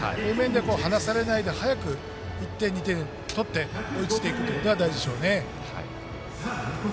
離されないで、早く１点、２点取って追いついていくことが大事ですね。